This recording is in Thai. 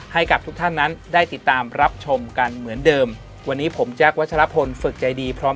ให้กับทุกท่านนั้นได้ติดตามรับชมกันเหมือนเดิมวันนี้ผมแจ๊ควัชลพลฝึกใจดีพร้อม